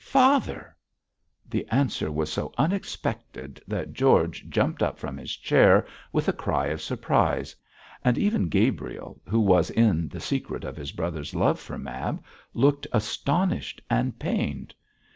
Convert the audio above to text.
'Father!' The answer was so unexpected that George jumped up from his chair with a cry of surprise, and even Gabriel, who was in the secret of his brother's love for Mab, looked astonished and pained.